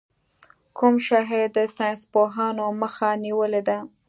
کوم شاعر د ساینسپوهانو مخه نېولې ده.